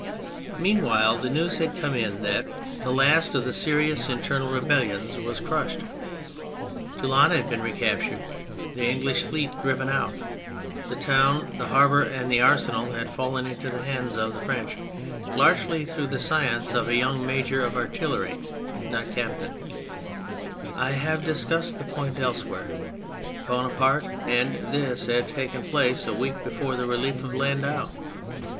Meanwhile the news had come in that the THE MILITARY ASPECT 203 last of the serious internal rebellions was crushed. Toulon had been re captured, the English fleet driven out ; the town, the harbour and the arsenal had fallen into the hands of the French largely through the science of a young major of artillery (not captain : I have discussed the point elsewhere), Bona parte, and this had taken place a week before the relief of Landau.